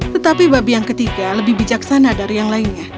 tetapi babi yang ketiga lebih bijaksana dari yang lainnya